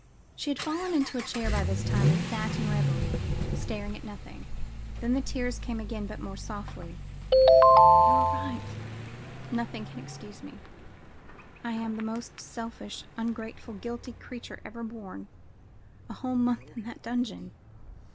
She had fallen into a chair by this time and sat in reverie, staring at nothing. Then the tears came again, but more softly. "You are right; nothing can excuse me. I am the most selfish, ungrateful, guilty creature ever born. A whole month in that dungeon!"